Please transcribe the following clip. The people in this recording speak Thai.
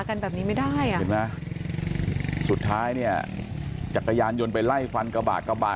กันแบบนี้ไม่ได้สุดท้ายเนี่ยจักรยานยนต์ไปไล่ฟันกระบาดกระบาด